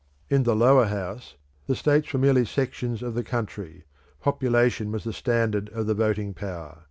In the Lower House the states were merely sections of the country; population was the standard of the voting power.